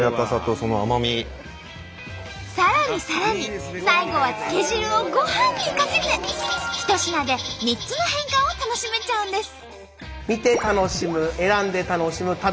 さらにさらに最後はつけ汁をご飯にかけて一品で３つの変化を楽しめちゃうんです。